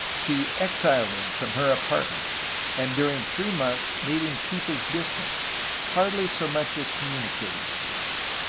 She exiled him from her apartments, and during three months made him keep his distance, hardly so much as communi cating with him.